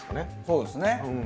そうですね。